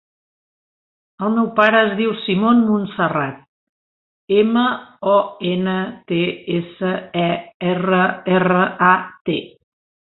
El meu pare es diu Simon Montserrat: ema, o, ena, te, essa, e, erra, erra, a, te.